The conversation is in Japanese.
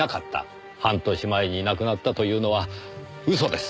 半年前に亡くなったというのは嘘です。